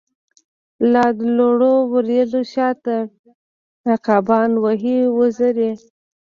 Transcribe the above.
لادلوړو وریځو شاته، عقابان وهی وزری